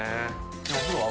お風呂は？